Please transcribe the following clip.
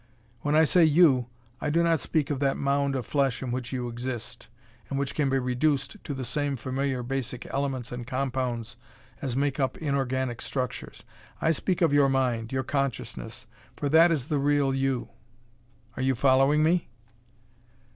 When I say you I do not speak of that mound of flesh in which you exist, and which can be reduced to the same familiar basic elements and compounds as make up inorganic structures; I speak of your mind, your consciousness for that is the real you. Are you following me?"